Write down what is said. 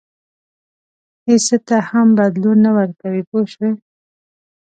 هېڅ څه ته هم بدلون نه ورکوي پوه شوې!.